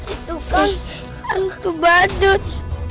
itu kan hantu badut